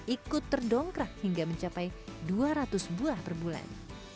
ikut terdongkrak hingga mencapai dua ratus buah per bulan